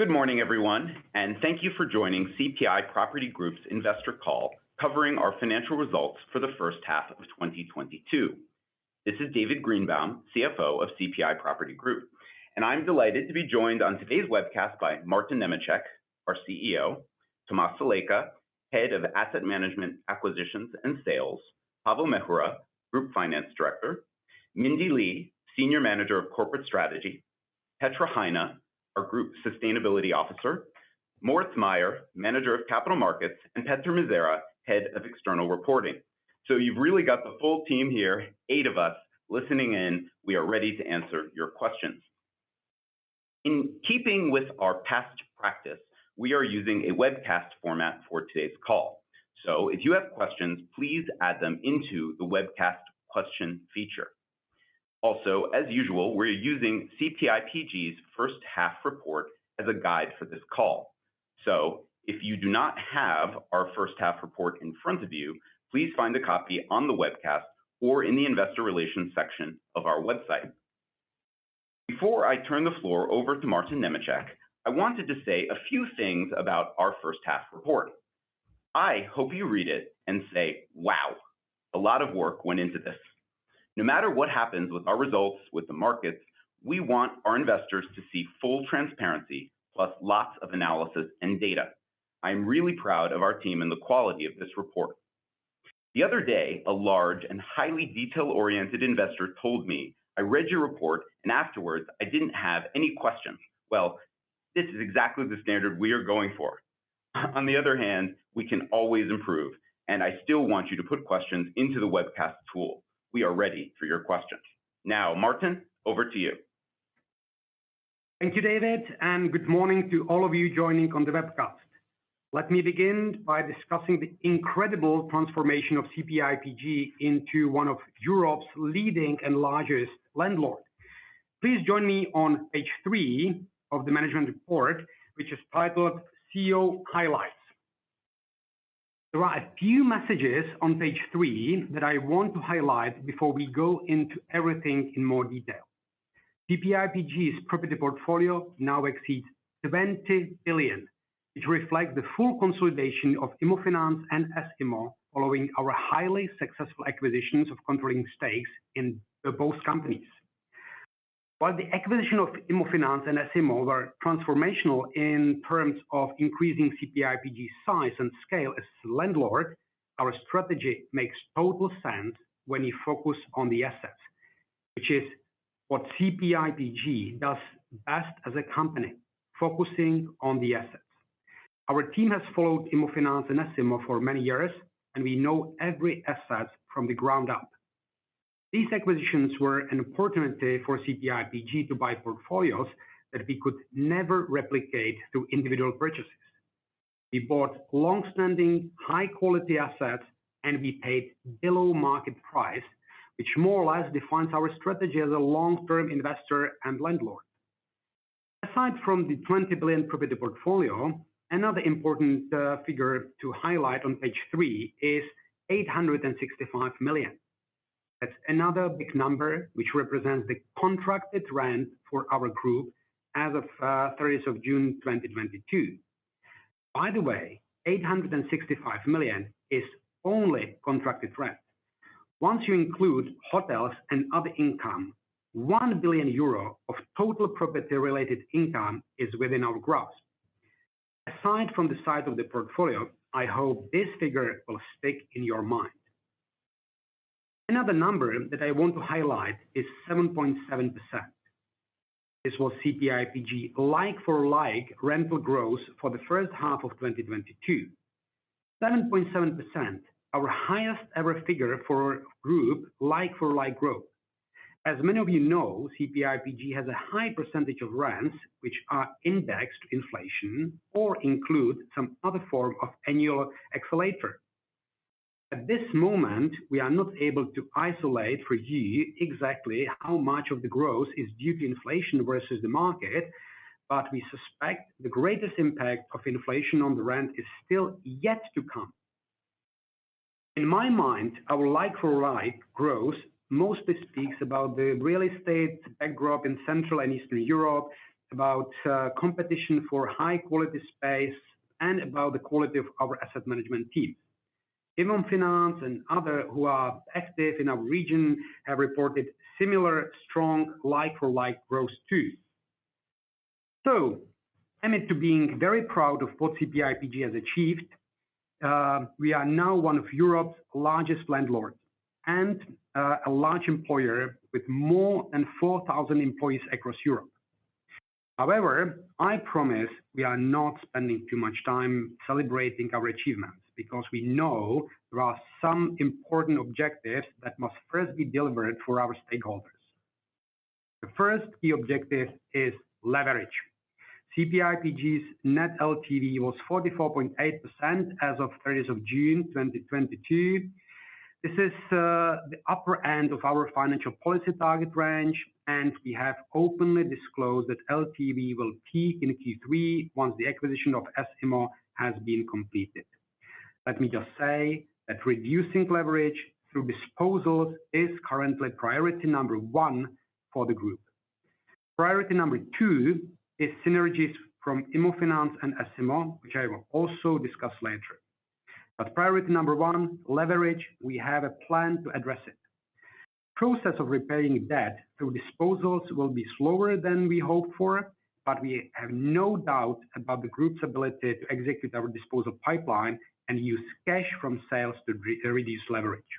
Good morning, everyone, and thank you for joining CPI Property Group's Investor Call covering our financial results for the first half of 2022. This is David Greenbaum, CFO of CPI Property Group. I'm delighted to be joined on today's webcast by Martin Němeček, our CEO, Tomáš Salajka, Head of Asset Management, Acquisitions and Sales, Pavel Měchura, Group Finance Director, Mindee Lee, Senior Manager of Corporate Strategy, Petra Hajná, our Group Sustainability Officer, Moritz Mayer, Manager of Capital Markets, and Petr Mizera, Head of External Reporting. You've really got the full team here, eight of us listening in. We are ready to answer your questions. In keeping with our past practice, we are using a webcast format for today's call. If you have questions, please add them into the webcast question feature. Also, as usual, we're using CPIPG's first half report as a guide for this call. If you do not have our first half report in front of you, please find a copy on the webcast or in the investor relations section of our website. Before I turn the floor over to Martin Němeček, I wanted to say a few things about our first half report. I hope you read it and say, "Wow, a lot of work went into this." No matter what happens with our results with the markets, we want our investors to see full transparency plus lots of analysis and data. I'm really proud of our team and the quality of this report. The other day, a large and highly detail-oriented investor told me, "I read your report, and afterwards, I didn't have any questions." Well, this is exactly the standard we are going for. On the other hand, we can always improve, and I still want you to put questions into the webcast tool. We are ready for your questions. Now, Martin, over to you. Thank you, David, and good morning to all of you joining on the webcast. Let me begin by discussing the incredible transformation of CPIPG into one of Europe's leading and largest landlords. Please join me on page three of the management report, which is titled CEO Highlights. There are a few messages on page three that I want to highlight before we go into everything in more detail. CPIPG's property portfolio now exceeds 20 billion, which reflects the full consolidation of IMMOFINANZ and S IMMO following our highly successful acquisitions of controlling stakes in both companies. While the acquisition of IMMOFINANZ and S IMMO were transformational in terms of increasing CPIPG size and scale as landlord, our strategy makes total sense when you focus on the assets, which is what CPIPG does best as a company, focusing on the assets. Our team has followed IMMOFINANZ and S IMMO for many years, and we know every asset from the ground up. These acquisitions were an opportunity for CPIPG to buy portfolios that we could never replicate through individual purchases. We bought long-standing high-quality assets, and we paid below market price, which more or less defines our strategy as a long-term investor and landlord. Aside from the 20 billion property portfolio, another important figure to highlight on page three is 865 million. That's another big number which represents the contracted rent for our group as of thirtieth of June 2022. By the way, 865 million is only contracted rent. Once you include hotels and other income, 1 billion euro of total property related income is within our grasp. Aside from the size of the portfolio, I hope this figure will stick in your mind. Another number that I want to highlight is 7.7%. This was CPIPG like for like rental growth for the first half of 2022. 7.7%, our highest ever figure for group like for like growth. As many of you know, CPIPG has a high percentage of rents which are indexed to inflation or include some other form of annual escalator. At this moment, we are not able to isolate for you exactly how much of the growth is due to inflation versus the market, but we suspect the greatest impact of inflation on the rent is still yet to come. In my mind, our like for like growth mostly speaks about the real estate background in Central and Eastern Europe, about competition for high-quality space, and about the quality of our asset management team. IMMOFINANZ and others who are active in our region have reported similar strong like for like growth too. I am very proud of what CPIPG has achieved, we are now one of Europe's largest landlords and, a large employer with more than 4,000 employees across Europe. However, I promise we are not spending too much time celebrating our achievements because we know there are some important objectives that must first be delivered for our stakeholders. The first key objective is leverage. CPIPG's net LTV was 44.8% as of 30th of June 2022. This is the upper end of our financial policy target range, and we have openly disclosed that LTV will peak in Q3 once the acquisition of S IMMO has been completed. Let me just say that reducing leverage through disposals is currently priority number one for the group. Priority number two is synergies from IMMOFINANZ and S IMMO, which I will also discuss later. Priority number one, leverage, we have a plan to address it. Process of repaying debt through disposals will be slower than we hoped for, but we have no doubt about the group's ability to execute our disposal pipeline and use cash from sales to reduce leverage.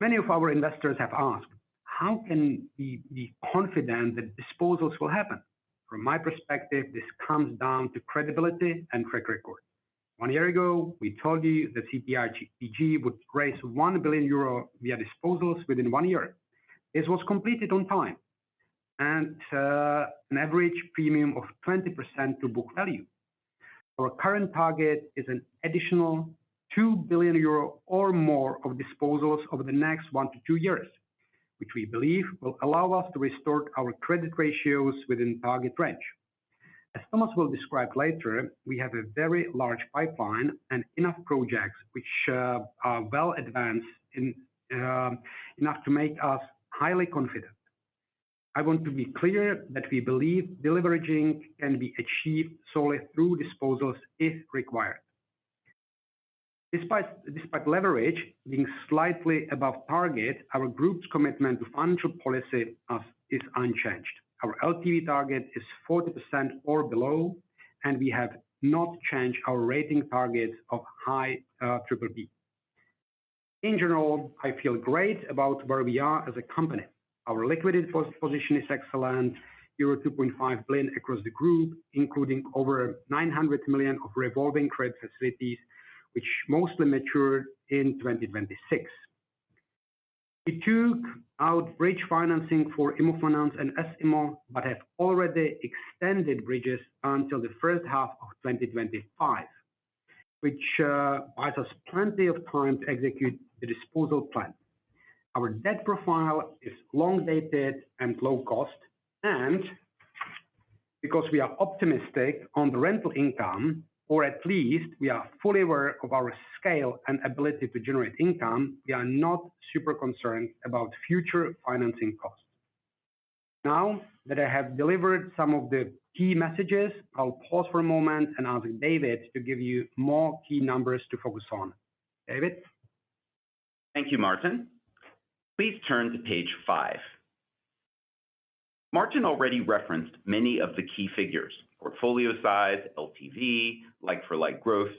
Many of our investors have asked, how can we be confident that disposals will happen? From my perspective, this comes down to credibility and track record. One year ago, we told you that CPIPG would raise 1 billion euro via disposals within one year. This was completed on time, and an average premium of 20% to book value. Our current target is an additional 2 billion euro or more of disposals over the next one-two years, which we believe will allow us to restore our credit ratios within target range. As Thomas will describe later, we have a very large pipeline and enough projects which are well advanced enough to make us highly confident. I want to be clear that we believe deleveraging can be achieved solely through disposals if required. Despite leverage being slightly above target, our group's commitment to financial policy is unchanged. Our LTV target is 40% or below, and we have not changed our rating target of high BBB. In general, I feel great about where we are as a company. Our liquidity position is excellent, euro 2.5 billion across the group, including over 900 million of revolving credit facilities, which mostly mature in 2026. We took out bridge financing for IMMOFINANZ and S IMMO, but have already extended bridges until the first half of 2025, which buys us plenty of time to execute the disposal plan. Our debt profile is long-dated and low cost, and because we are optimistic on the rental income, or at least we are fully aware of our scale and ability to generate income, we are not super concerned about future financing costs. Now that I have delivered some of the key messages, I'll pause for a moment and ask David to give you more key numbers to focus on. David. Thank you, Martin. Please turn to page five. Martin already referenced many of the key figures. Portfolio size, LTV, like-for-like growth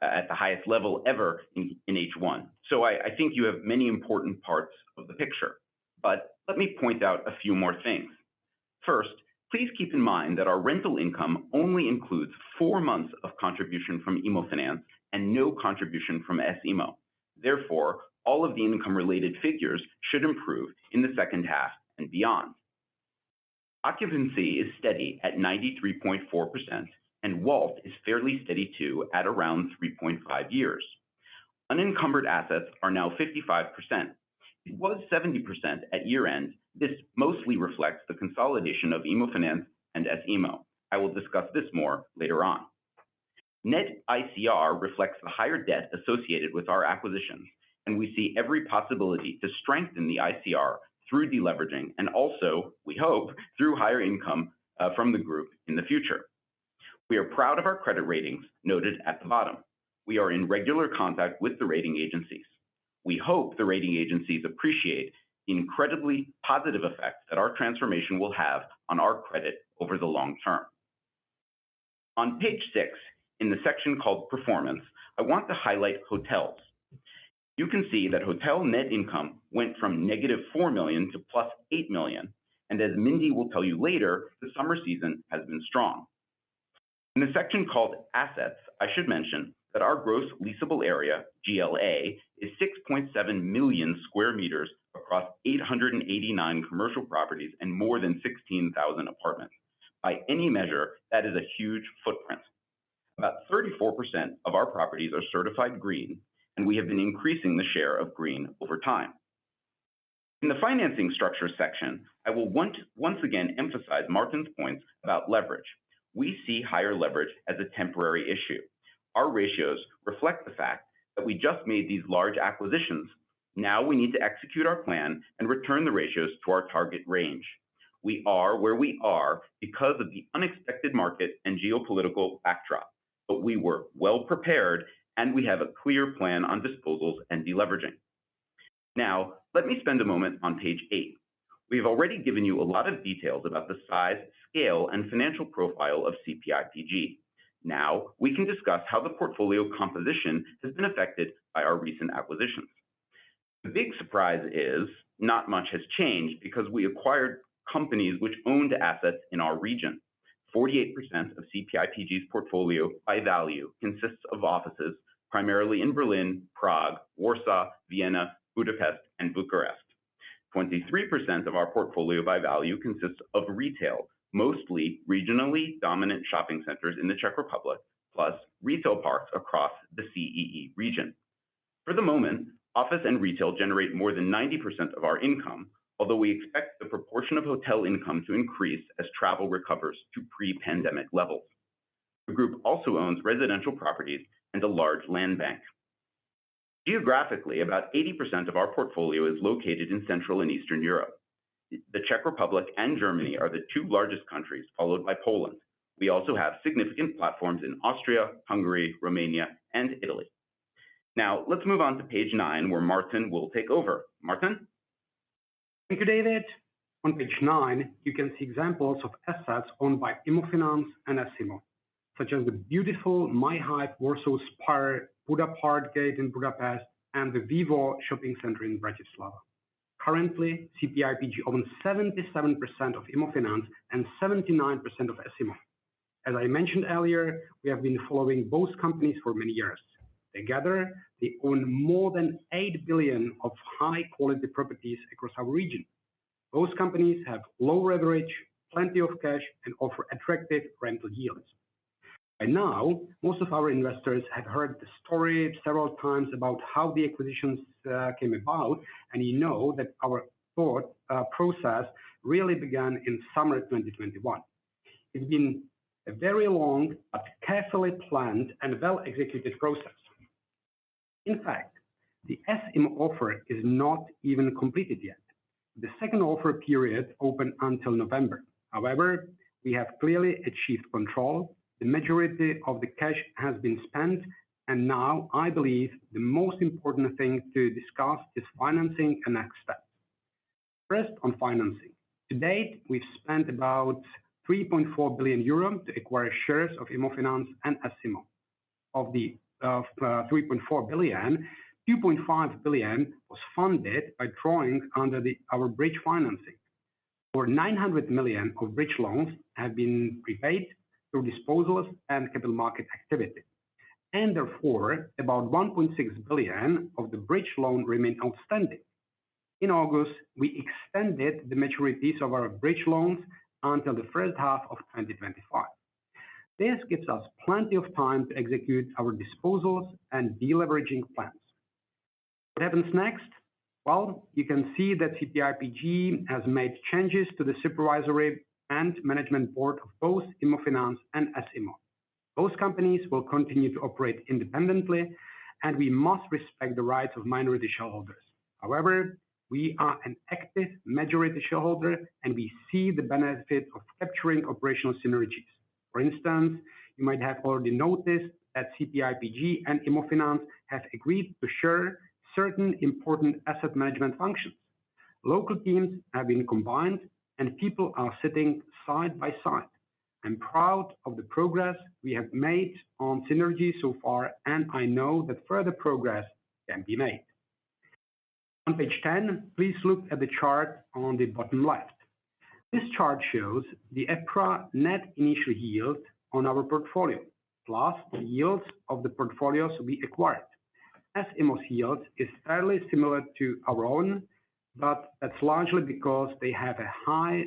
at the highest level ever in H1. I think you have many important parts of the picture. Let me point out a few more things. First, please keep in mind that our rental income only includes four months of contribution from IMMOFINANZ and no contribution from S IMMO. Therefore, all of the income related figures should improve in the second half and beyond. Occupancy is steady at 93.4%, and WALT is fairly steady too at around 3.5 years. Unencumbered assets are now 55%. It was 70% at year-end. This mostly reflects the consolidation of IMMOFINANZ and S IMMO. I will discuss this more later on. Net ICR reflects the higher debt associated with our acquisitions, and we see every possibility to strengthen the ICR through deleveraging and also, we hope, through higher income from the group in the future. We are proud of our credit ratings noted at the bottom. We are in regular contact with the rating agencies. We hope the rating agencies appreciate the incredibly positive effects that our transformation will have on our credit over the long term. On page six, in the section called Performance, I want to highlight hotels. You can see that hotel net income went from -4 million to +8 million. As Mindee will tell you later, the summer season has been strong. In the section called Assets, I should mention that our Gross Leasable Area, GLA, is 6.7 million square meters across 889 commercial properties and more than 16,000 apartments. By any measure, that is a huge footprint. About 34% of our properties are certified green, and we have been increasing the share of green over time. In the financing structure section, I will want to once again emphasize Martin's points about leverage. We see higher leverage as a temporary issue. Our ratios reflect the fact that we just made these large acquisitions. Now we need to execute our plan and return the ratios to our target range. We are where we are because of the unexpected market and geopolitical backdrop. We were well prepared, and we have a clear plan on disposals and deleveraging. Now, let me spend a moment on page eight. We've already given you a lot of details about the size, scale, and financial profile of CPIPG. Now, we can discuss how the portfolio composition has been affected by our recent acquisitions. The big surprise is not much has changed because we acquired companies which owned assets in our region. 48% of CPIPG's portfolio by value consists of offices, primarily in Berlin, Prague, Warsaw, Vienna, Budapest, and Bucharest. 23% of our portfolio by value consists of retail, mostly regionally dominant shopping centers in the Czech Republic, plus retail parks across the CEE region. For the moment, office and retail generate more than 90% of our income, although we expect the proportion of hotel income to increase as travel recovers to pre-pandemic levels. The group also owns residential properties and a large land bank. Geographically, about 80% of our portfolio is located in Central and Eastern Europe. The Czech Republic and Germany are the two largest countries, followed by Poland. We also have significant platforms in Austria, Hungary, Romania, and Italy. Now let's move on to page nine, where Martin will take over. Martin. Thank you, David. On page nine, you can see examples of assets owned by IMMOFINANZ and S IMMO, such as the beautiful myhive Warsaw Spire, BudaPart Gate in Budapest, and the VIVO! Bratislava. Currently, CPIPG owns 77% of IMMOFINANZ and 79% of S IMMO. As I mentioned earlier, we have been following both companies for many years. Together, they own more than 8 billion of high-quality properties across our region. Both companies have low leverage, plenty of cash, and offer attractive rental yields. By now, most of our investors have heard the story several times about how the acquisitions came about, and you know that our thought process really began in summer 2021. It's been a very long but carefully planned and well-executed process. In fact, the S IMMO offer is not even completed yet. The second offer period open until November. However, we have clearly achieved control, the majority of the cash has been spent, and now I believe the most important thing to discuss is financing and next steps. First, on financing. To date, we've spent about 3.4 billion euro to acquire shares of IMMOFINANZ and S IMMO. Of the 3.4 billion, 2.5 billion was funded by drawing under our bridge financing, where 900 million of bridge loans have been prepaid through disposals and capital market activity. Therefore, about 1.6 billion of the bridge loan remain outstanding. In August, we extended the maturities of our bridge loans until the first half of 2025. This gives us plenty of time to execute our disposals and deleveraging plans. What happens next? Well, you can see that CPIPG has made changes to the supervisory and management board of both IMMOFINANZ and S IMMO. Both companies will continue to operate independently, and we must respect the rights of minority shareholders. However, we are an active majority shareholder, and we see the benefit of capturing operational synergies. For instance, you might have already noticed that CPIPG and IMMOFINANZ have agreed to share certain important asset management functions. Local teams have been combined, and people are sitting side by side. I'm proud of the progress we have made on synergy so far, and I know that further progress can be made. On page 10, please look at the chart on the bottom left. This chart shows the EPRA net initial yield on our portfolio, plus the yields of the portfolios we acquired. S IMMO's yields is fairly similar to our own, but that's largely because they have a high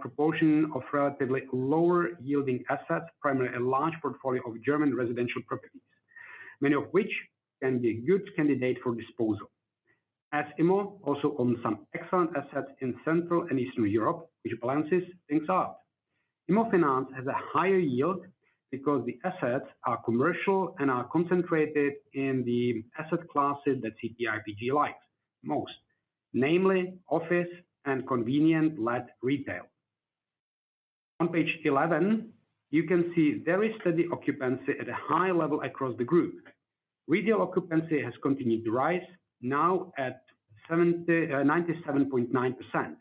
proportion of relatively lower yielding assets, primarily a large portfolio of German residential properties, many of which can be a good candidate for disposal. S IMMO also owns some excellent assets in Central and Eastern Europe, which balances things out. IMMOFINANZ has a higher yield because the assets are commercial and are concentrated in the asset classes that CPIPG likes most, namely office and convenience-led retail. On page 11, you can see very steady occupancy at a high level across the group. Retail occupancy has continued to rise, now at 97.9%.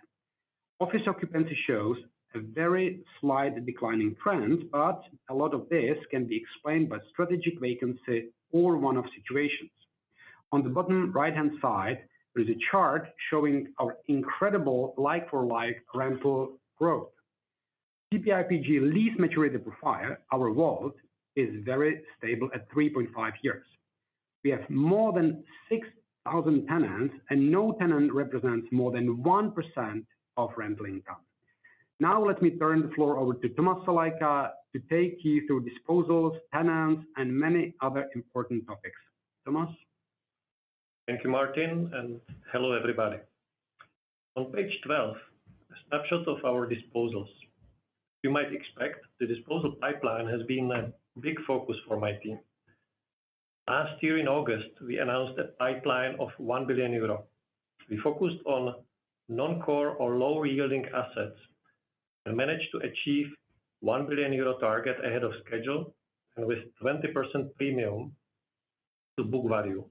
Office occupancy shows a very slight declining trend, but a lot of this can be explained by strategic vacancy or one-off situations. On the bottom right-hand side, there is a chart showing our incredible like-for-like rental growth. CPIPG lease maturity profile, our WALT, is very stable at 3.5 years. We have more than 6,000 tenants, and no tenant represents more than 1% of rental income. Now let me turn the floor over to Tomáš Salajka to take you through disposals, tenants, and many other important topics. Tomáš. Thank you, Martin, and hello, everybody. On page 12, a snapshot of our disposals. You might expect the disposal pipeline has been a big focus for my team. Last year in August, we announced a pipeline of 1 billion euro. We focused on non-core or low-yielding assets and managed to achieve 1 billion euro target ahead of schedule and with 20% premium to book value.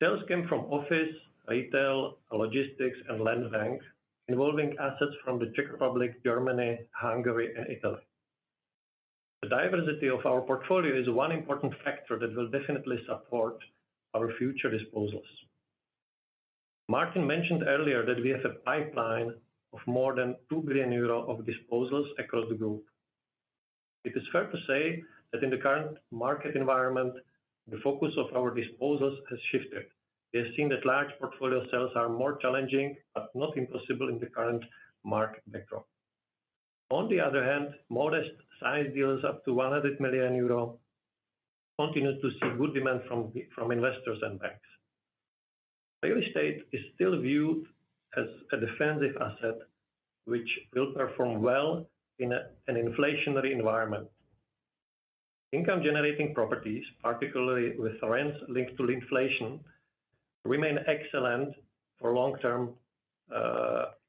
Sales came from office, retail, logistics, and land bank, involving assets from the Czech Republic, Germany, Hungary, and Italy. The diversity of our portfolio is one important factor that will definitely support our future disposals. Martin mentioned earlier that we have a pipeline of more than 2 billion euro of disposals across the group. It is fair to say that in the current market environment, the focus of our disposals has shifted. We have seen that large portfolio sales are more challenging but not impossible in the current market backdrop. On the other hand, modest size deals up to 100 million euro continue to see good demand from investors and banks. Real estate is still viewed as a defensive asset which will perform well in an inflationary environment. Income generating properties, particularly with rents linked to inflation, remain excellent for long-term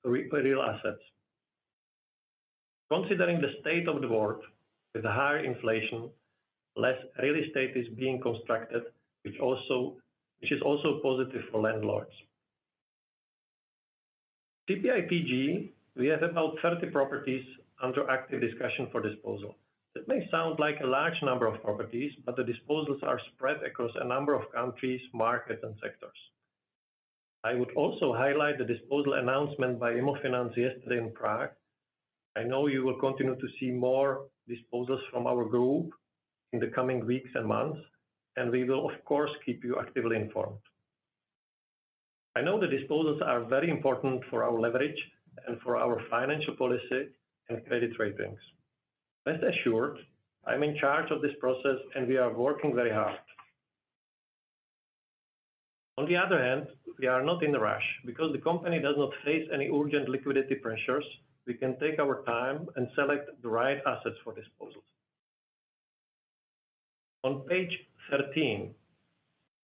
real assets. Considering the state of the world with a higher inflation, less real estate is being constructed, which is also positive for landlords. CPIPG, we have about 30 properties under active discussion for disposal. That may sound like a large number of properties, but the disposals are spread across a number of countries, markets, and sectors. I would also highlight the disposal announcement by IMMOFINANZ yesterday in Prague. I know you will continue to see more disposals from our group in the coming weeks and months, and we will of course keep you actively informed. I know the disposals are very important for our leverage and for our financial policy and credit ratings. Rest assured, I'm in charge of this process, and we are working very hard. On the other hand, we are not in a rush. Because the company does not face any urgent liquidity pressures, we can take our time and select the right assets for disposals. On page 13,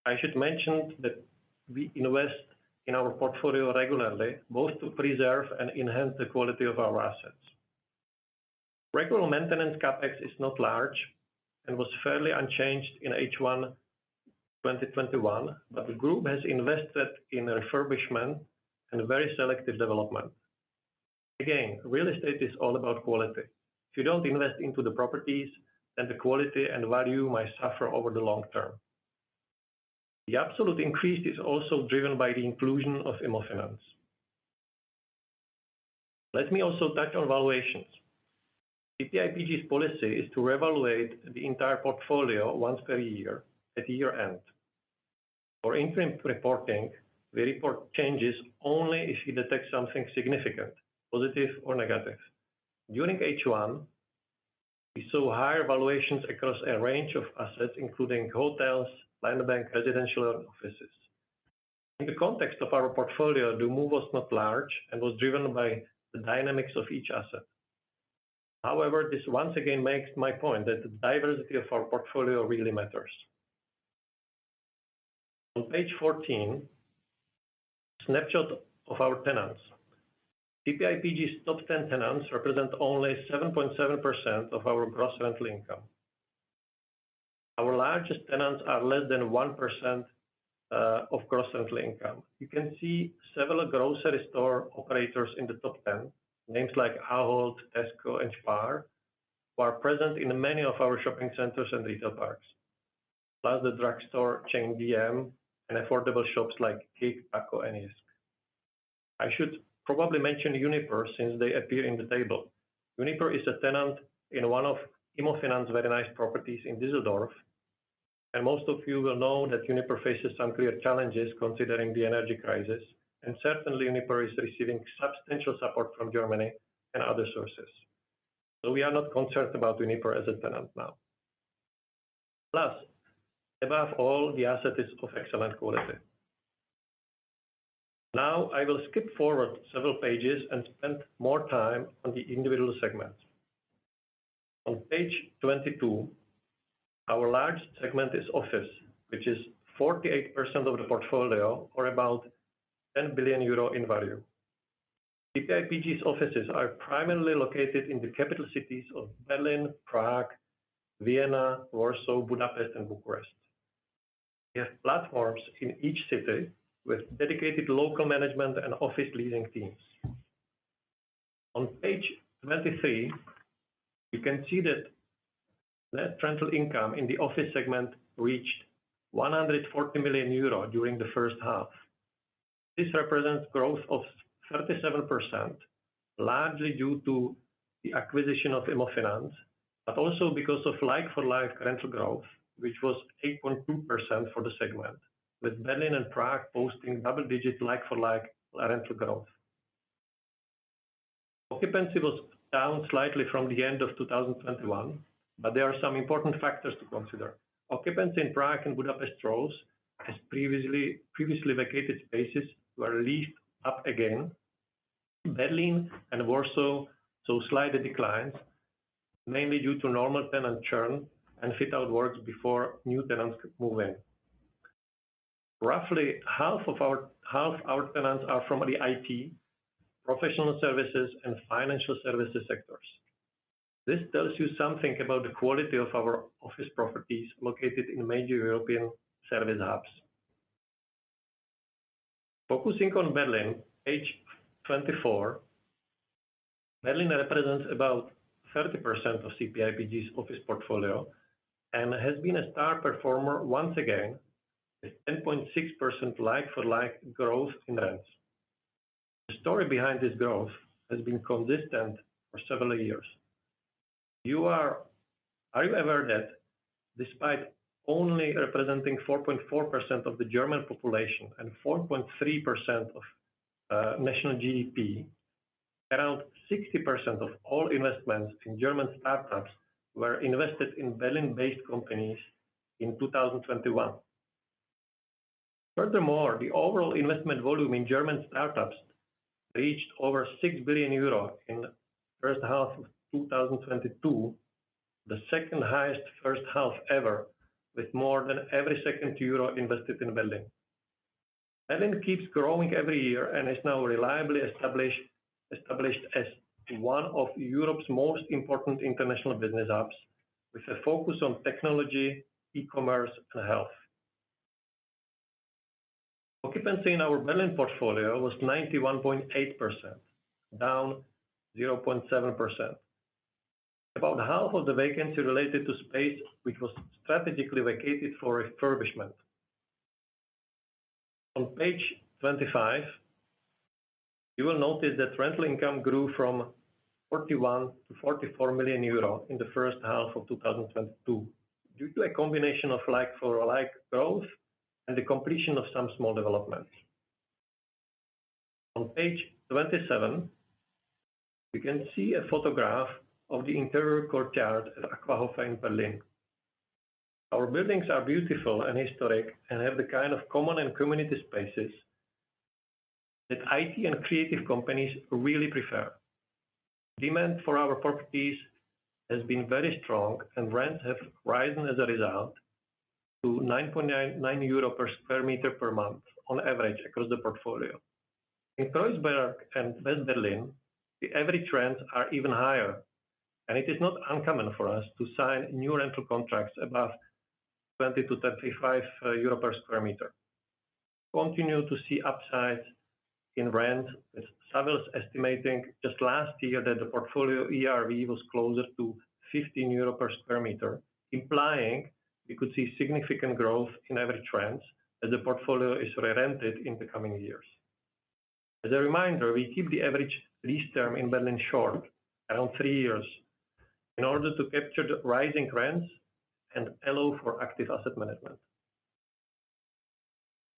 I should mention that we invest in our portfolio regularly, both to preserve and enhance the quality of our assets. Regular maintenance CapEx is not large and was fairly unchanged in H1 2021, but the group has invested in refurbishment and very selective development. Again, real estate is all about quality. If you don't invest into the properties, then the quality and value might suffer over the long term. The absolute increase is also driven by the inclusion of IMMOFINANZ. Let me also touch on valuations. CPIPG's policy is to reevaluate the entire portfolio once per year at year-end. For interim reporting, we report changes only if we detect something significant, positive or negative. During H1, we saw higher valuations across a range of assets, including hotels, lender-backed residential offices. In the context of our portfolio, the move was not large and was driven by the dynamics of each asset. However, this once again makes my point that the diversity of our portfolio really matters. On page 14, snapshot of our tenants. CPIPG's top 10 tenants represent only 7.7% of our gross rental income. Our largest tenants are less than 1%, of gross rental income. You can see several grocery store operators in the top ten, names like Ahold, Tesco, and Spar, who are present in many of our shopping centers and retail parks. Plus the drugstore chain dm and affordable shops like KiK, Pepco, and JYSK. I should probably mention Uniper since they appear in the table. Uniper is a tenant in one of IMMOFINANZ's very nice properties in Düsseldorf, and most of you will know that Uniper faces some clear challenges considering the energy crisis. Certainly Uniper is receiving substantial support from Germany and other sources. We are not concerned about Uniper as a tenant now. Plus, above all, the asset is of excellent quality. Now, I will skip forward several pages and spend more time on the individual segments. On page 22, our largest segment is office, which is 48% of the portfolio or about 10 billion euro in value. CPIPG's offices are primarily located in the capital cities of Berlin, Prague, Vienna, Warsaw, Budapest, and Bucharest. We have platforms in each city with dedicated local management and office leading teams. On page 23, you can see that net rental income in the office segment reached 140 million euro during the first half. This represents growth of 37%, largely due to the acquisition of IMMOFINANZ, but also because of like-for-like rental growth, which was 8.2% for the segment, with Berlin and Prague posting double-digit like-for-like rental growth. Occupancy was down slightly from the end of 2021, but there are some important factors to consider. Occupancy in Prague and Budapest rose as previously vacated spaces were leased up again. Berlin and Warsaw saw slight declines, mainly due to normal tenant churn and fit-out works before new tenants could move in. Roughly half our tenants are from the IT professional services and financial services sectors. This tells you something about the quality of our office properties located in major European service hubs. Focusing on Berlin, page 24. Berlin represents about 30% of CPIPG's office portfolio and has been a star performer once again with 10.6% like-for-like growth in rents. The story behind this growth has been consistent for several years. Are you aware that despite only representing 4.4% of the German population and 4.3% of national GDP, around 60% of all investments in German startups were invested in Berlin-based companies in 2021. Furthermore, the overall investment volume in German startups reached over 6 billion euro in the first half of 2022, the second highest first half ever, with more than every second euro invested in Berlin. Berlin keeps growing every year and is now reliably established as one of Europe's most important international business hubs, with a focus on technology, e-commerce, and health. Occupancy in our Berlin portfolio was 91.8%, down 0.7%. About half of the vacancy related to space, which was strategically vacated for refurbishment. On page 25, you will notice that rental income grew from 41 million to 44 million euro in the first half of 2022 due to a combination of like-for-like growth and the completion of some small developments. On page 27, you can see a photograph of the interior courtyard at AQUA-Höfe in Berlin. Our buildings are beautiful and historic, and have the kind of common and community spaces that IT and creative companies really prefer. Demand for our properties has been very strong, and rents have risen as a result to 9.99 euro per square meter per month on average across the portfolio. In Kreuzberg and West Berlin, the average rents are even higher, and it is not uncommon for us to sign new rental contracts above 20-35 euro per square meter. We continue to see upside in rent, with Savills estimating just last year that the portfolio ERV was closer to 15 euro per square meter, implying we could see significant growth in average rents as the portfolio is re-rented in the coming years. As a reminder, we keep the average lease term in Berlin short, around three years, in order to capture the rising rents and allow for active asset management.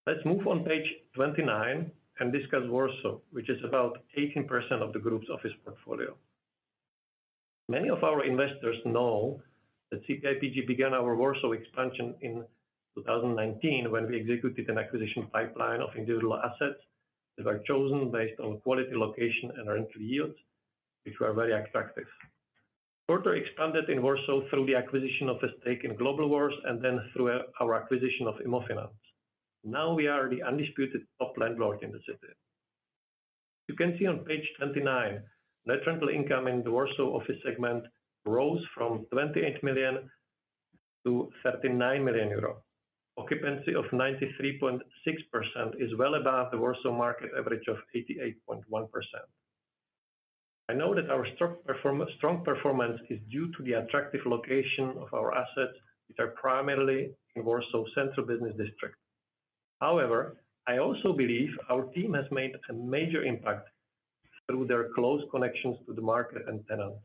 Let's move on page 29 and discuss Warsaw, which is about 18% of the group's office portfolio. Many of our investors know that CPIPG began our Warsaw expansion in 2019 when we executed an acquisition pipeline of individual assets that were chosen based on quality, location, and rental yields, which were very attractive. Further expanded in Warsaw through the acquisition of a stake in Globalworth, and then through our acquisition of IMMOFINANZ. Now we are the undisputed top landlord in the city. You can see on page 29, net rental income in the Warsaw office segment rose from 28 million-39 million euro. Occupancy of 93.6% is well above the Warsaw market average of 88.1%. I know that our strong performance is due to the attractive location of our assets, which are primarily in Warsaw's central business district. However, I also believe our team has made a major impact through their close connections to the market and tenants.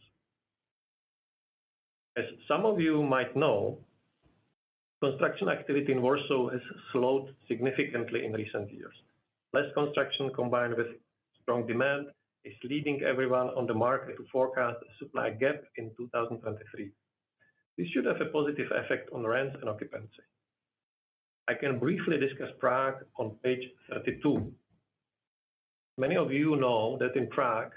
As some of you might know, construction activity in Warsaw has slowed significantly in recent years. Less construction combined with strong demand is leading everyone on the market to forecast a supply gap in 2023. This should have a positive effect on rents and occupancy. I can briefly discuss Prague on page 32. Many of you know that in Prague,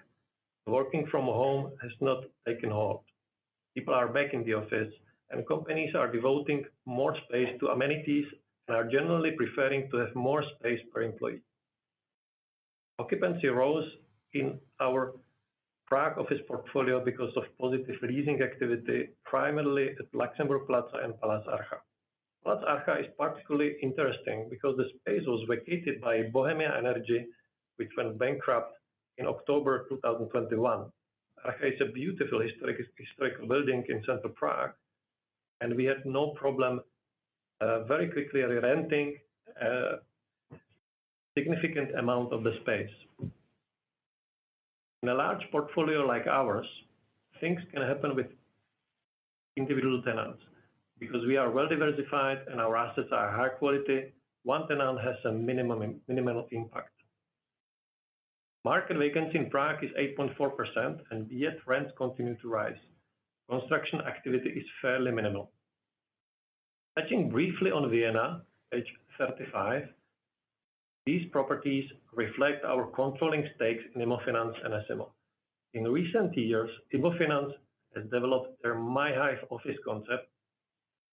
working from home has not taken off. People are back in the office, and companies are devoting more space to amenities and are generally preferring to have more space per employee. Occupancy rose in our Prague office portfolio because of positive leasing activity, primarily at Luxembourg Plaza and Palác Archa. Palác Archa is particularly interesting because the space was vacated by Bohemia Energy, which went bankrupt in October 2021. Archa is a beautiful historic building in central Prague, and we had no problem very quickly re-renting significant amount of the space. In a large portfolio like ours, things can happen with individual tenants. Because we are well diversified and our assets are high quality, one tenant has a minimal impact. Market vacancy in Prague is 8.4%, and yet rents continue to rise. Construction activity is fairly minimal. Touching briefly on Vienna, page 35, these properties reflect our controlling stakes in IMMOFINANZ and S IMMO. In recent years, IMMOFINANZ has developed their myhive office concept.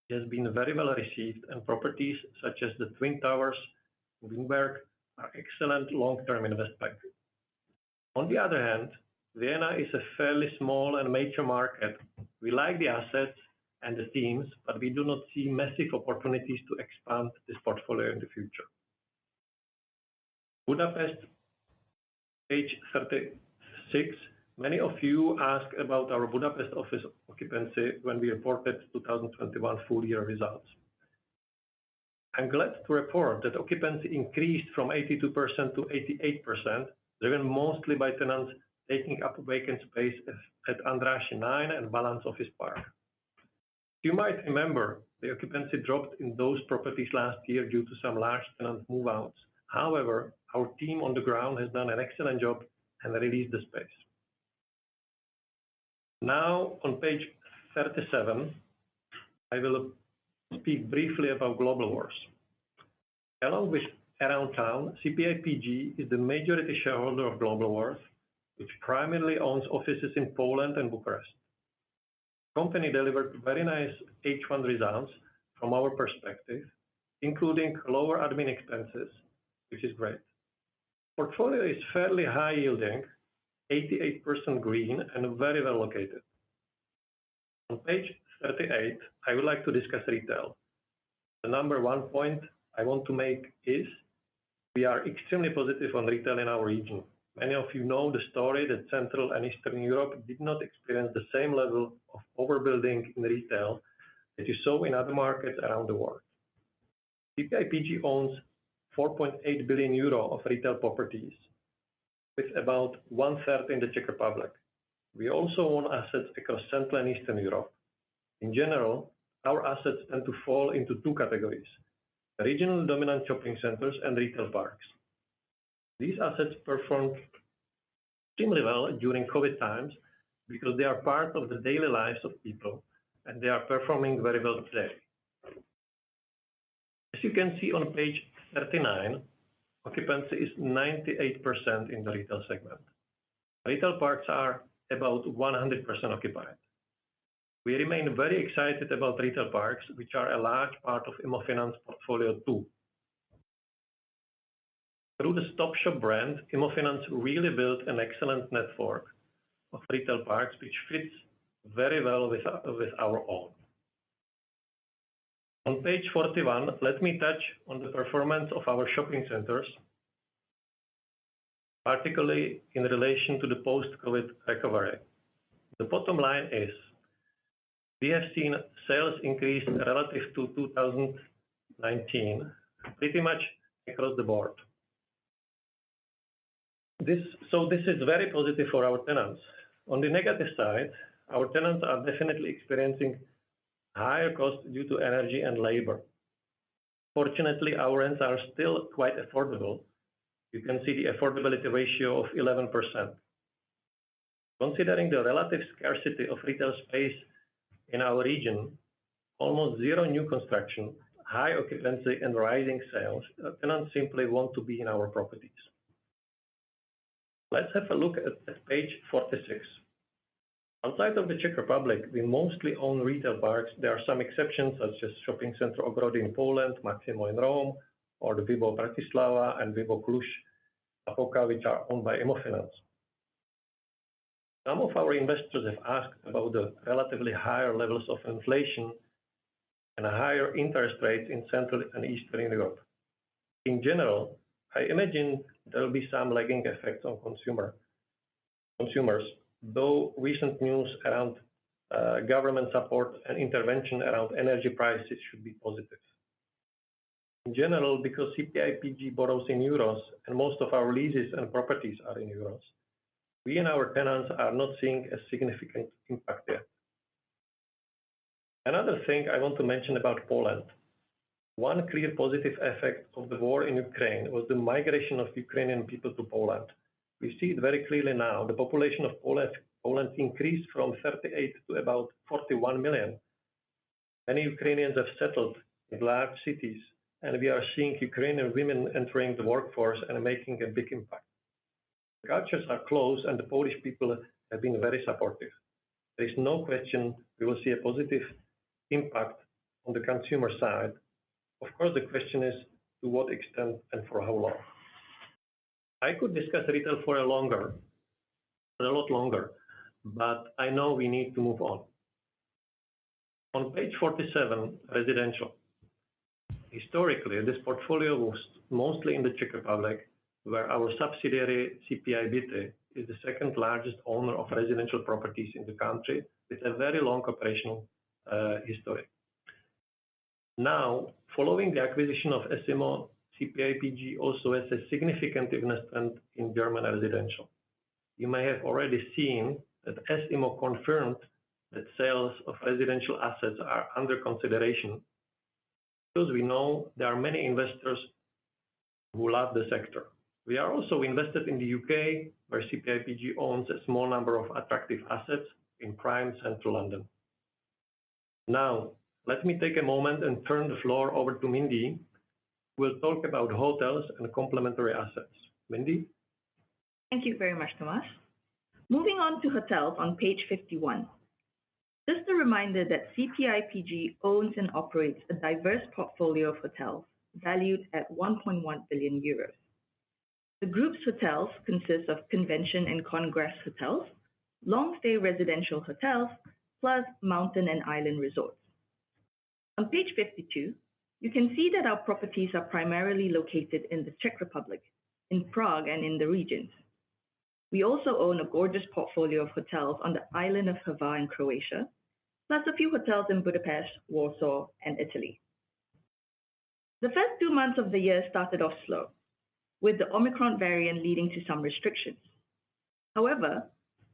It has been very well received, and properties such as the Twin Towers in Wienerberg are excellent long-term investment. On the other hand, Vienna is a fairly small and mature market. We like the assets and the teams, but we do not see massive opportunities to expand this portfolio in the future. Budapest, page 36. Many of you asked about our Budapest office occupancy when we reported 2021 full year results. I'm glad to report that occupancy increased from 82% to 88%, driven mostly by tenants taking up vacant space at Andrássy 9 and Balance Office Park. You might remember the occupancy dropped in those properties last year due to some large tenant move-outs. However, our team on the ground has done an excellent job and released the space. Now on page 37, I will speak briefly about Globalworth. Along with Aroundtown, CPIPG is the majority shareholder of Globalworth, which primarily owns offices in Poland and Bucharest. Company delivered very nice H1 results from our perspective, including lower admin expenses, which is great. Portfolio is fairly high yielding, 88% green and very well located. On page 38, I would like to discuss retail. The number one point I want to make is we are extremely positive on retail in our region. Many of you know the story that Central and Eastern Europe did not experience the same level of overbuilding in retail that you saw in other markets around the world. CPIPG owns 4.8 billion euro of retail properties, with about one-third in the Czech Republic. We also own assets across Central and Eastern Europe. In general, our assets tend to fall into two categories: regional dominant shopping centers and retail parks. These assets performed extremely well during COVID times because they are part of the daily lives of people, and they are performing very well today. As you can see on page 39, occupancy is 98% in the retail segment. Retail parks are about 100% occupied. We remain very excited about retail parks, which are a large part of IMMOFINANZ portfolio too. Through the STOP SHOP brand, IMMOFINANZ really built an excellent network of retail parks which fits very well with our own. On page 41, let me touch on the performance of our shopping centers, particularly in relation to the post-COVID recovery. The bottom line is we have seen sales increase relative to 2019 pretty much across the board. This is very positive for our tenants. On the negative side, our tenants are definitely experiencing higher costs due to energy and labor. Fortunately, our rents are still quite affordable. You can see the affordability ratio of 11%. Considering the relative scarcity of retail space in our region, almost zero new construction, high occupancy and rising sales, tenants simply want to be in our properties. Let's have a look at page 46. Outside of the Czech Republic, we mostly own retail parks. There are some exceptions such as Shopping Centre Ogrody in Poland, Maximo in Rome, or the VIVO! Bratislava and VIVO! Cluj-Napoca, which are owned by IMMOFINANZ. Some of our investors have asked about the relatively higher levels of inflation and higher interest rates in Central and Eastern Europe. In general, I imagine there will be some lagging effects on consumers, though recent news around government support and intervention around energy prices should be positive. In general, because CPIPG borrows in euros and most of our leases and properties are in euros, we and our tenants are not seeing a significant impact yet. Another thing I want to mention about Poland. One clear positive effect of the war in Ukraine was the migration of Ukrainian people to Poland. We see it very clearly now. The population of Poland increased from 38 to about 41 million. Many Ukrainians have settled in large cities, and we are seeing Ukrainian women entering the workforce and making a big impact. The cultures are close, and the Polish people have been very supportive. There is no question we will see a positive impact on the consumer side. Of course, the question is to what extent and for how long? I could discuss retail for a lot longer, but I know we need to move on. On page 47, residential. Historically, this portfolio was mostly in the Czech Republic, where our subsidiary, CPI BYTY, is the second largest owner of residential properties in the country with a very long operational history. Now, following the acquisition of S IMMO, CPIPG also has a significant investment in German residential. You may have already seen that S IMMO confirmed that sales of residential assets are under consideration. As we know, there are many investors who love the sector. We are also invested in the U.K., where CPIPG owns a small number of attractive assets in prime central London. Now, let me take a moment and turn the floor over to Mindee, who will talk about hotels and complementary assets. Mindee. Thank you very much, Thomas. Moving on to hotels on page 51. Just a reminder that CPIPG owns and operates a diverse portfolio of hotels valued at 1.1 billion euros. The group's hotels consist of convention and congress hotels, long-stay residential hotels, plus mountain and island resorts. On page 52, you can see that our properties are primarily located in the Czech Republic, in Prague and in the regions. We also own a gorgeous portfolio of hotels on the island of Hvar in Croatia, plus a few hotels in Budapest, Warsaw, and Italy. The first two months of the year started off slow, with the Omicron variant leading to some restrictions. However,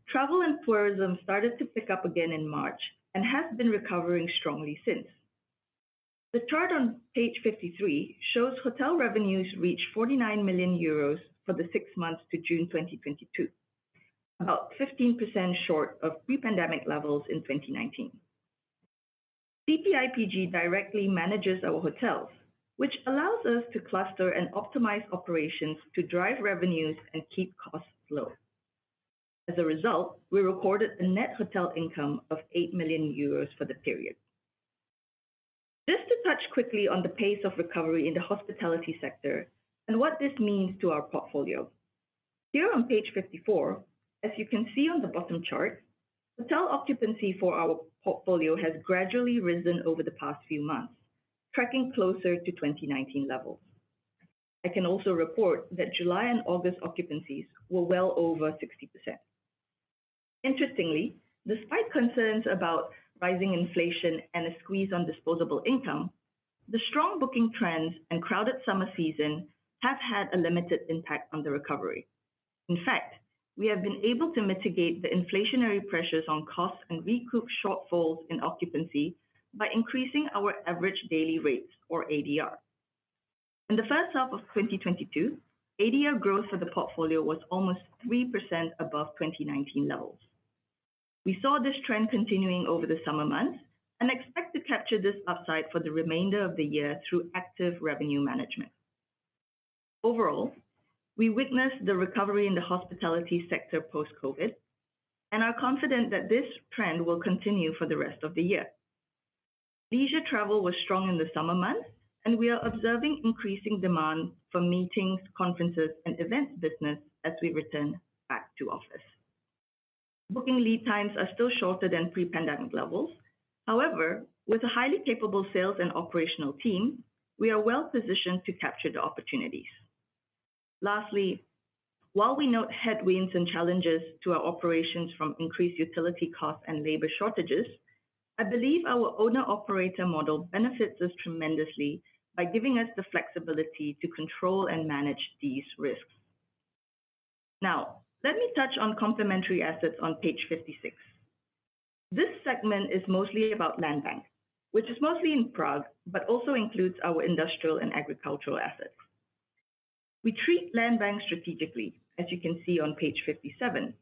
travel and tourism started to pick up again in March and has been recovering strongly since. The chart on page 53 shows hotel revenues reached 49 million euros for the six months to June 2022, about 15% short of pre-pandemic levels in 2019. CPIPG directly manages our hotels, which allows us to cluster and optimize operations to drive revenues and keep costs low. As a result, we recorded a net hotel income of 8 million euros for the period. Just to touch quickly on the pace of recovery in the hospitality sector and what this means to our portfolio. Here on page 54, as you can see on the bottom chart, hotel occupancy for our portfolio has gradually risen over the past few months, tracking closer to 2019 levels. I can also report that July and August occupancies were well over 60%. Interestingly, despite concerns about rising inflation and a squeeze on disposable income, the strong booking trends and crowded summer season have had a limited impact on the recovery. In fact, we have been able to mitigate the inflationary pressures on costs and recoup shortfalls in occupancy by increasing our average daily rates or ADR. In the first half of 2022, ADR growth for the portfolio was almost 3% above 2019 levels. We saw this trend continuing over the summer months and expect to capture this upside for the remainder of the year through active revenue management. Overall, we witnessed the recovery in the hospitality sector post-COVID, and are confident that this trend will continue for the rest of the year. Leisure travel was strong in the summer months, and we are observing increasing demand for meetings, conferences, and events business as we return back to office. Booking lead times are still shorter than pre-pandemic levels. However, with a highly capable sales and operational team, we are well-positioned to capture the opportunities. Lastly, while we note headwinds and challenges to our operations from increased utility costs and labor shortages, I believe our owner operator model benefits us tremendously by giving us the flexibility to control and manage these risks. Now, let me touch on complementary assets on page 56. This segment is mostly about land bank, which is mostly in Prague, but also includes our industrial and agricultural assets. We treat land bank strategically, as you can see on page 57.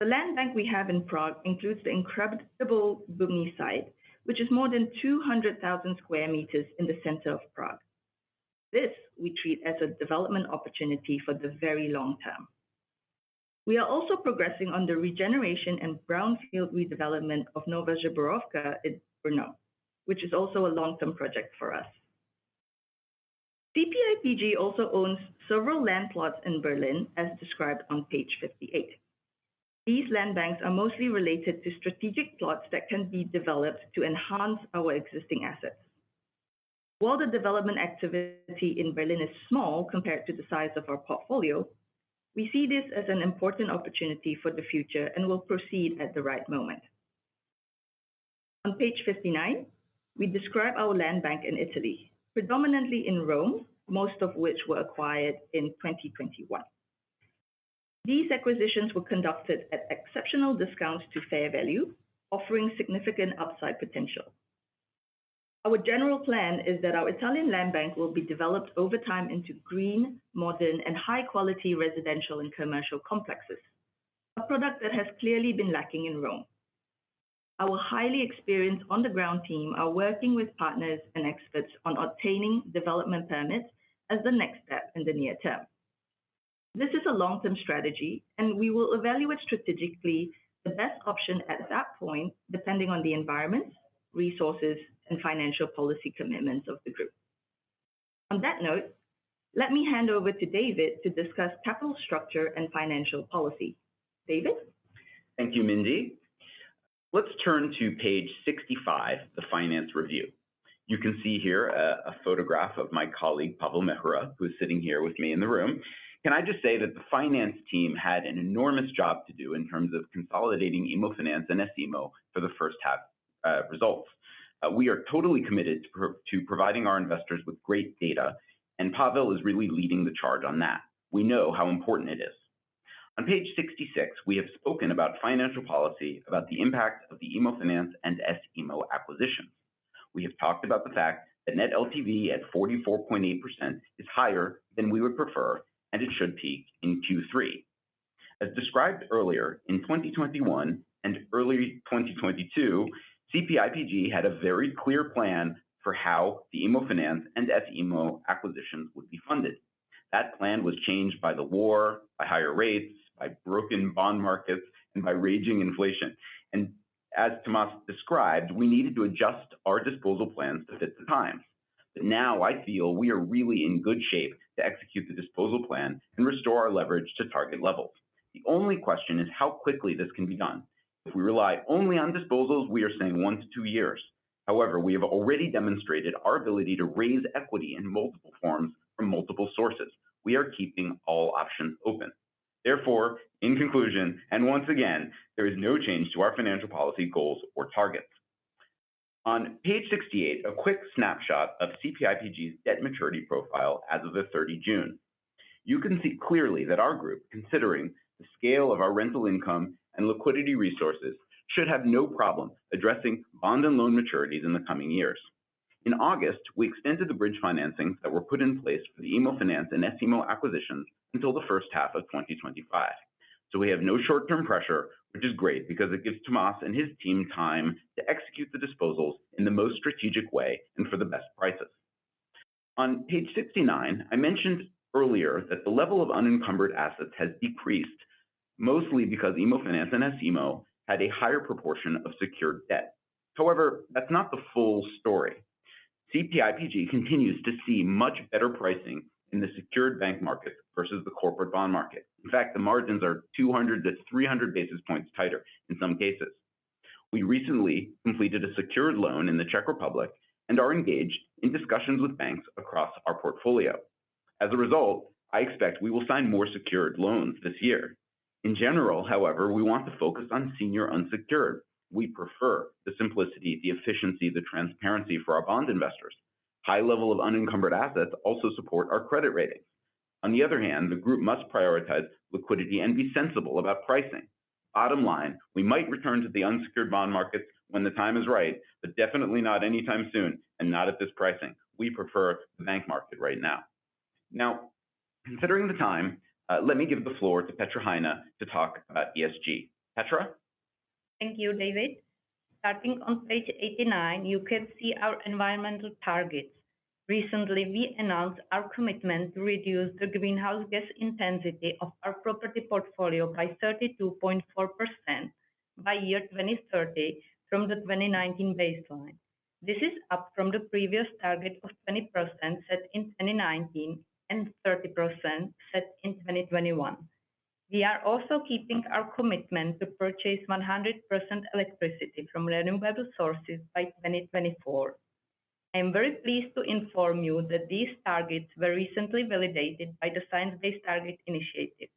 The land bank we have in Prague includes the incredible Bubny site, which is more than 200,000 square meters in the center of Prague. This we treat as a development opportunity for the very long term. We are also progressing on the regeneration and brownfield redevelopment of Nová Zbrojovka in Brno, which is also a long-term project for us. CPIPG also owns several land plots in Berlin, as described on page 58. These land banks are mostly related to strategic plots that can be developed to enhance our existing assets. While the development activity in Berlin is small compared to the size of our portfolio, we see this as an important opportunity for the future and will proceed at the right moment. On page 59, we describe our land bank in Italy, predominantly in Rome, most of which were acquired in 2021. These acquisitions were conducted at exceptional discounts to fair value, offering significant upside potential. Our general plan is that our Italian land bank will be developed over time into green, modern, and high quality residential and commercial complexes, a product that has clearly been lacking in Rome. Our highly experienced on the ground team are working with partners and experts on obtaining development permits as the next step in the near term. This is a long-term strategy, and we will evaluate strategically the best option at that point, depending on the environment, resources, and financial policy commitments of the group. On that note, let me hand over to David to discuss capital structure and financial policy. David. Thank you, Mindee. Let's turn to page 65, the finance review. You can see here a photograph of my colleague, Pavel Měchura, who is sitting here with me in the room. Can I just say that the finance team had an enormous job to do in terms of consolidating IMMOFINANZ and S IMMO for the first half results. We are totally committed to providing our investors with great data, and Pavel is really leading the charge on that. We know how important it is. On page 66, we have spoken about financial policy, about the impact of the IMMOFINANZ and S IMMO acquisition. We have talked about the fact that net LTV at 44.8% is higher than we would prefer, and it should peak in Q3. As described earlier, in 2021 and early 2022, CPIPG had a very clear plan for how the IMMOFINANZ and S IMMO acquisitions would be funded. That plan was changed by the war, by higher rates, by broken bond markets, and by raging inflation. As Tomáš described, we needed to adjust our disposal plans to fit the times. Now I feel we are really in good shape to execute the disposal plan and restore our leverage to target levels. The only question is how quickly this can be done. If we rely only on disposals, we are saying one to two years. However, we have already demonstrated our ability to raise equity in multiple forms from multiple sources. We are keeping all options open. Therefore, in conclusion, and once again, there is no change to our financial policy goals or targets. On page 68, a quick snapshot of CPIPG's debt maturity profile as of June 30. You can see clearly that our group, considering the scale of our rental income and liquidity resources, should have no problem addressing bond and loan maturities in the coming years. In August, we extended the bridge financings that were put in place for the IMMOFINANZ and S IMMO acquisitions until the first half of 2025. We have no short-term pressure, which is great because it gives Tomáš and his team time to execute the disposals in the most strategic way and for the best prices. On page 69, I mentioned earlier that the level of unencumbered assets has decreased, mostly because IMMOFINANZ and S IMMO had a higher proportion of secured debt. However, that's not the full story. CPIPG continues to see much better pricing in the secured bank market versus the corporate bond market. In fact, the margins are 200-300 basis points tighter in some cases. We recently completed a secured loan in the Czech Republic and are engaged in discussions with banks across our portfolio. As a result, I expect we will sign more secured loans this year. In general, however, we want to focus on senior unsecured. We prefer the simplicity, the efficiency, the transparency for our bond investors. High level of unencumbered assets also support our credit ratings. On the other hand, the group must prioritize liquidity and be sensible about pricing. Bottom line, we might return to the unsecured bond market when the time is right, but definitely not anytime soon, and not at this pricing. We prefer the bank market right now. Now, considering the time, let me give the floor to Petra Hajná to talk about ESG. Petra. Thank you, David. Starting on page 89, you can see our environmental targets. Recently, we announced our commitment to reduce the greenhouse gas intensity of our property portfolio by 32.4% by year 2030 from the 2019 baseline. This is up from the previous target of 20% set in 2019 and 30% set in 2021. We are also keeping our commitment to purchase 100% electricity from renewable sources by 2024. I am very pleased to inform you that these targets were recently validated by the Science Based Targets initiative.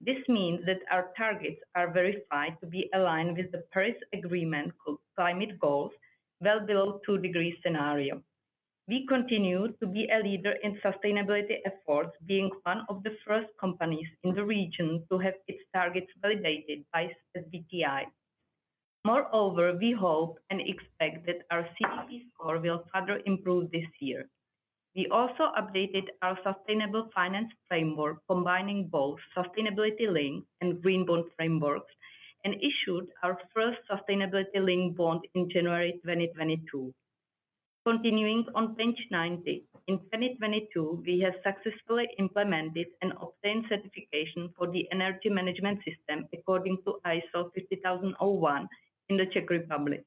This means that our targets are verified to be aligned with the Paris Agreement climate goals, well below two-degree scenario. We continue to be a leader in sustainability efforts, being one of the first companies in the region to have its targets validated by the SBTi. Moreover, we hope and expect that our CDP score will further improve this year. We also updated our sustainable finance framework, combining both sustainability-linked and green bond frameworks, and issued our first sustainability-linked bond in January 2022. Continuing on page 90, in 2022, we have successfully implemented and obtained certification for the energy management system according to ISO 50001 in the Czech Republic.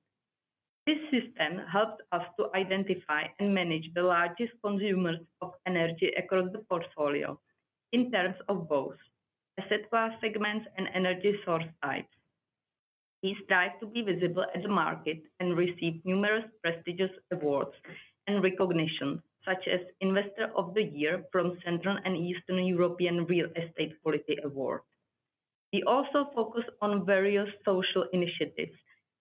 This system helped us to identify and manage the largest consumers of energy across the portfolio in terms of both asset class segments and energy source types. We strive to be visible at the market and receive numerous prestigious awards and recognition, such as Investor of the Year from Central and Eastern European Real Estate Quality Awards. We also focus on various social initiatives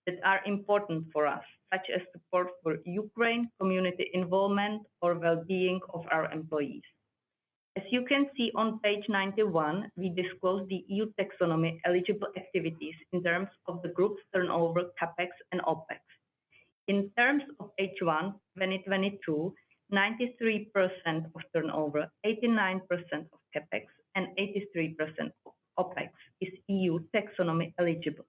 that are important for us, such as support for Ukraine, community involvement, or well-being of our employees. As you can see on page 91, we disclose the EU taxonomy eligible activities in terms of the group's turnover, CapEx and OpEx. In terms of H1 2022, 93% of turnover, 89% of CapEx, and 83% of OpEx is EU taxonomy eligible.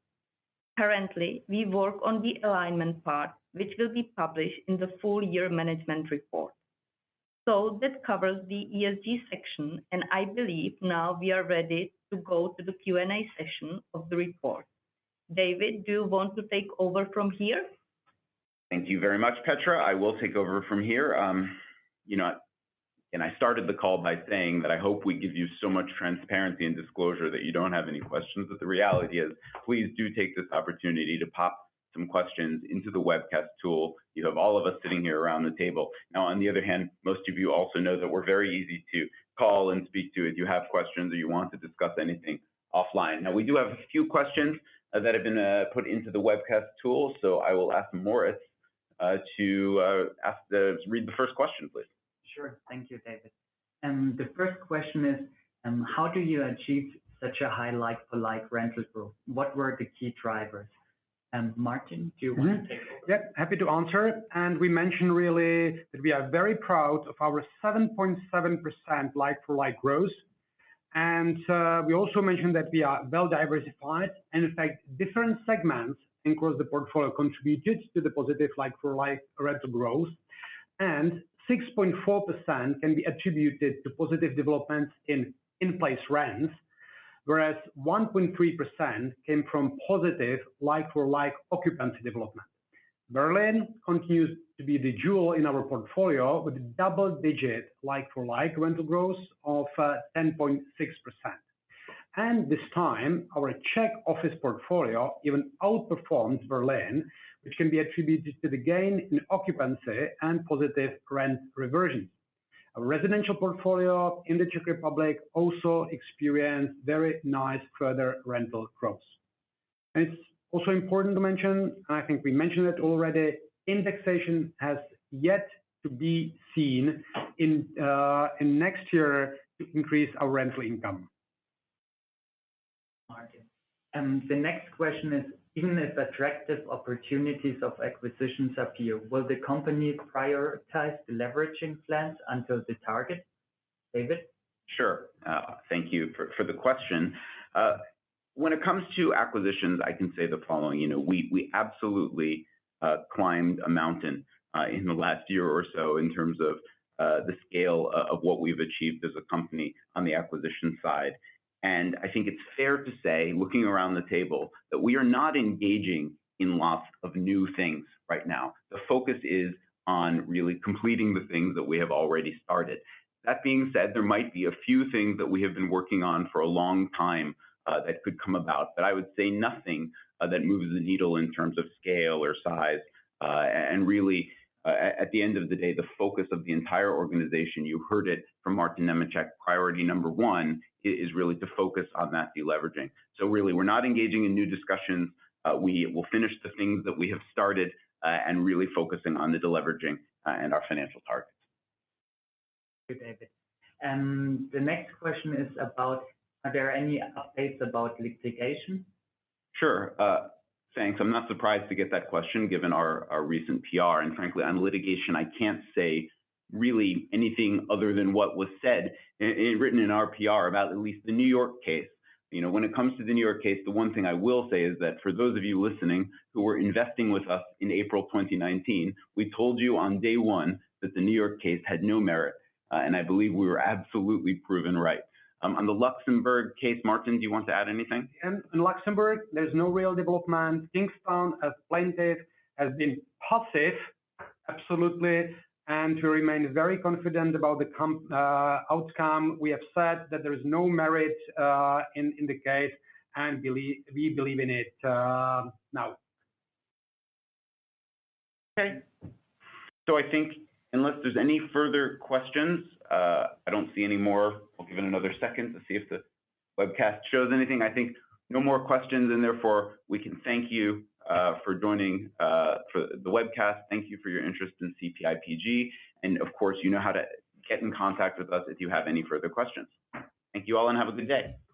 Currently, we work on the alignment part, which will be published in the full year management report. This covers the ESG section, and I believe now we are ready to go to the Q&A session of the report. David, do you want to take over from here? Thank you very much, Petra. I will take over from here. You know, I started the call by saying that I hope we give you so much transparency and disclosure that you don't have any questions, but the reality is please do take this opportunity to pop some questions into the webcast tool. You have all of us sitting here around the table. Now, on the other hand, most of you also know that we're very easy to call and speak to if you have questions or you want to discuss anything offline. Now, we do have a few questions that have been put into the webcast tool. I will ask Moritz to read the first question, please. Sure. Thank you, David. The first question is, how do you achieve such a high like-for-like rental growth? What were the key drivers? Martin, do you want to take over? Yep, happy to answer. We mentioned really that we are very proud of our 7.7% like-for-like growth. We also mentioned that we are well diversified. In fact, different segments across the portfolio contributed to the positive like-for-like rental growth. 6.4% can be attributed to positive development in in-place rents, whereas 1.3% came from positive like-for-like occupancy development. Berlin continues to be the jewel in our portfolio with double-digit like-for-like rental growth of 10.6%. This time, our Czech office portfolio even outperforms Berlin, which can be attributed to the gain in occupancy and positive rent reversion. Our residential portfolio in the Czech Republic also experienced very nice further rental growth. It's also important to mention, and I think we mentioned it already, indexation has yet to be seen in next year to increase our rental income. Martin. The next question is, even if attractive opportunities of acquisitions appear, will the company prioritize the leveraging plans until the target? David? Sure. Thank you for the question. When it comes to acquisitions, I can say the following. You know, we absolutely climbed a mountain in the last year or so in terms of the scale of what we've achieved as a company on the acquisition side. I think it's fair to say, looking around the table, that we are not engaging in lots of new things right now. The focus is on really completing the things that we have already started. That being said, there might be a few things that we have been working on for a long time that could come about. I would say nothing that moves the needle in terms of scale or size. Really, at the end of the day, the focus of the entire organization, you heard it from Martin Němeček, priority number one is really to focus on that deleveraging. Really, we're not engaging in new discussions. We will finish the things that we have started, and really focusing on the deleveraging, and our financial targets. Thank you, David. The next question is about, are there any updates about litigation? Sure. Thanks. I'm not surprised to get that question given our recent PR. Frankly, on litigation, I can't say really anything other than what was said as written in our PR about at least the New York case. You know, when it comes to the New York case, the one thing I will say is that for those of you listening who were investing with us in April 2019, we told you on day one that the New York case had no merit. I believe we were absolutely proven right. On the Luxembourg case, Martin, do you want to add anything? In Luxembourg, there's no real development. Kingstown as plaintiff has been passive, absolutely, and we remain very confident about the outcome. We have said that there is no merit in the case and we believe in it now. Okay. I think unless there's any further questions, I don't see any more. I'll give it another second to see if the webcast shows anything. I think no more questions, and therefore we can thank you for joining for the webcast. Thank you for your interest in CPIPG. Of course, you know how to get in contact with us if you have any further questions. Thank you all, and have a good day.